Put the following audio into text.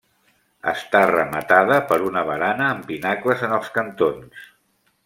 Està rematada per una barana amb pinacles en els cantons.